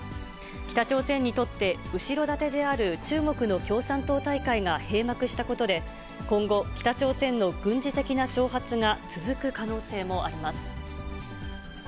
北朝鮮にとって、後ろ盾である中国の共産党大会が閉幕したことで、今後、北朝鮮の軍事的な挑発が続く可能性もあります。